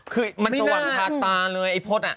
คือมันตะวันพาตาเลยไอ้พศอ่ะ